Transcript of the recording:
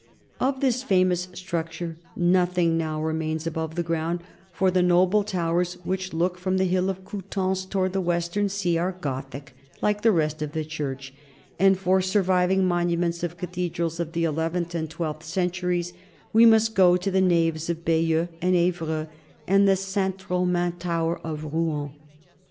Of this famous structure nothing now remains above the ground, for the noble towers which look from the hill of Coutances toward the western sea are Gothic, like the rest of the church; and for surviving monuments of cathedrals of the eleventh and twelfth centuries we must go to the naves of Bayeux and Evreux and the St. Romain's tower of Rouen.